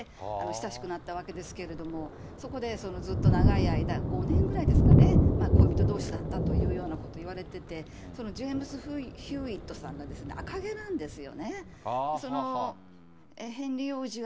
２人の王子に乗馬を教えるということで親しくなったわけですけれども、そこでずっと長い間、５年ぐらいですかね、恋人どうしだったということをいわれてて、そのジェームズ・ヒューイットさんが、赤毛なんですよね。